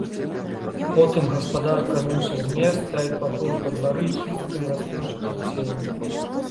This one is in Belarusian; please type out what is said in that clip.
Потым гаспадар крануўся з месца і паплыў па двары хісткім расплыўчатым ценем.